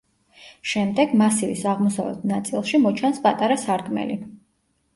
შემდეგ, მასივის აღმოსავლეთ ნაწილში მოჩანს პატარა სარკმელი.